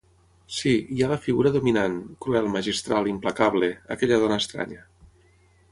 Sí, hi ha la figura dominant - cruel, magistral, implacable - aquella dona estranya.